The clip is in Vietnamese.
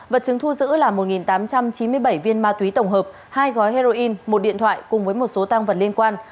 vật chứng thu giữ là một tám trăm chín mươi bảy viên ma túy tổng hợp hai gói heroin một điện thoại cùng với một số tăng vật liên quan